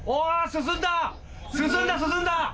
進んだ進んだ！